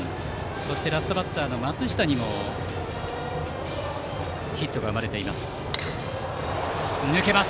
そしてラストバッターの松下にもヒットが生まれています。